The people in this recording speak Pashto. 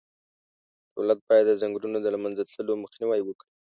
دولت باید د ځنګلونو د له منځه تللو مخنیوی وکړي.